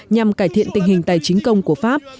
nhằm cải thiện tình hình tài chính công của pháp